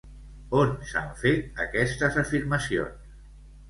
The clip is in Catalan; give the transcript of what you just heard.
On s'han fet aquestes afirmacions?